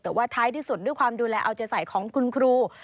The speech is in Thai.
แต่ว่าท้ายที่สุดด้วยความดูแลเอาใจใส่ของคุณครู